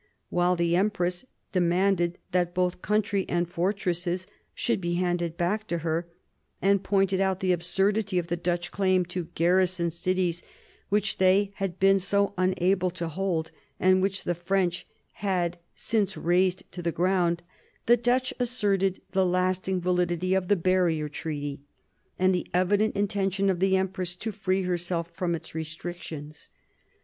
While the empress demanded that both country and fortresses should be handed directly back to her, and pointed out the absurdity of the Dutch claim to garrison cities which they had been so unable to hold, and which the French had since razed to the ground, the Dutch asserted the 62 MARIA THERESA chap, hi lasting validity of the Barrier Treaty, and the evident intention of the empress to free herself • from its restrictions.